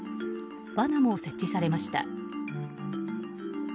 わなも設置されました。